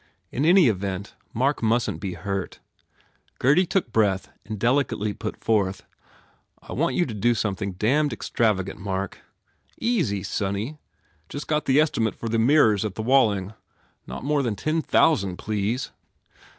In any event Mark mustn t be hurt. Gurdy took breath and delicately put 162 GURDY forth, I want you to do something damned ex travagant, Mark." "Easy, sonny. Just got the estimate for the mirrors at the Walling. Not more than ten thousand, please!"